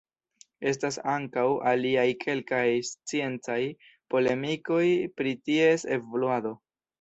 Estas ankaŭ aliaj kelkaj sciencaj polemikoj pri ties evoluado.